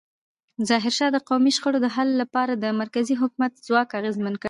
ظاهرشاه د قومي شخړو د حل لپاره د مرکزي حکومت ځواک اغېزمن کړ.